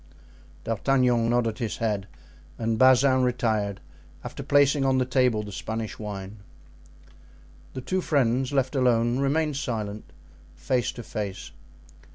D'Artagnan nodded his head and Bazin retired, after placing on the table the Spanish wine. The two friends, left alone, remained silent, face to face.